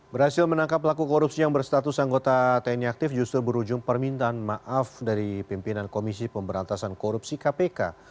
berhasil menangkap pelaku korupsi yang berstatus anggota tni aktif justru berujung permintaan maaf dari pimpinan komisi pemberantasan korupsi kpk